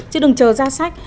chứ đừng chờ ra sách